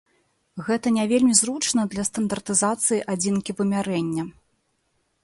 Гэта не вельмі зручна для стандартызацыі адзінкі вымярэння.